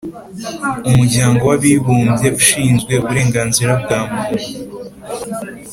Umuryango w ‘Abibumbyeushinzwe uburenganzira bwamuntu